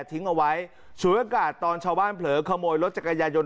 ทิ้งเอาไว้ศูนยากาศตอนชาวบ้านเผลอขโมยรถจักรยานยนต